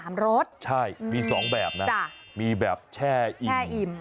มึงใช่มี๒แบบนะมีแบบแช่อิ่ม